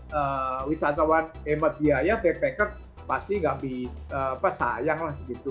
ya wisatawan hemat biaya backpacker pasti nggak bisa sayang lah gitu